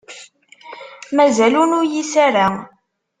Mazal ur nuyis ara.